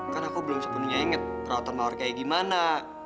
kan aku belum sepenuhnya inget perawatan mawar kayak gimana